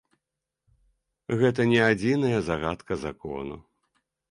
Гэта не адзіная загадка закону.